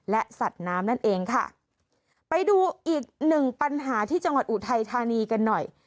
และสัตว์น้ำนั่นเองค่ะไปดูอีกหนึ่งปัญหาที่จังหวัดอุทัยธานีกันหน่อย